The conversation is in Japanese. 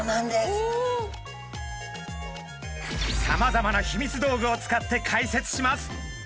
さまざまなヒミツ道具を使って解説します。